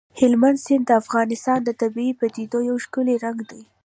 هلمند سیند د افغانستان د طبیعي پدیدو یو ښکلی رنګ دی.